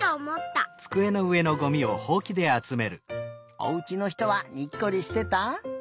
おうちのひとはにっこりしてた？